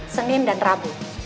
senin dan rabu